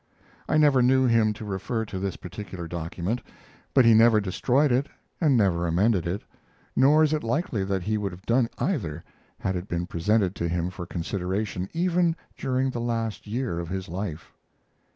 I never knew him to refer to this particular document; but he never destroyed it and never amended it, nor is it likely that he would have done either had it been presented to him for consideration even during the last year of his life.